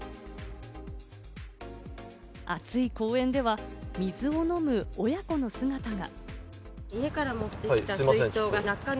暑い公園では水を飲む親子の姿が。